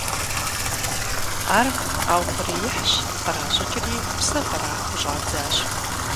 Ар къаухъуреихьщ, къращӏыкӏри, псыр кърахыу щӏадзащ.